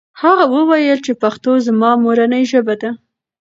هغه وویل چې پښتو زما مورنۍ ژبه ده.